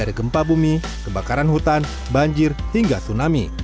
dari gempa bumi kebakaran hutan banjir hingga tsunami